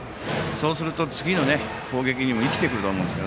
そうすると次の攻撃にも生きてくると思います。